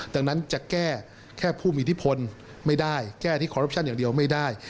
ดังนั้นจะแก้แค่ผู้มีอิทธิพลไม่ได้แก้ที่คอรัปชั่นอย่างเดียวไม่ได้